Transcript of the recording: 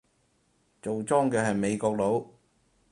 做莊嘅係美國佬